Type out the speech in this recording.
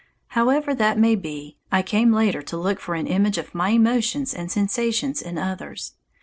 However that may be, I came later to look for an image of my emotions and sensations in others.